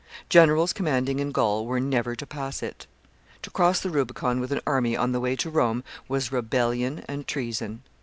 Generals commanding in Gaul were never to pass it. To cross the Rubicon with an army on the way to Rome was rebellion and treason.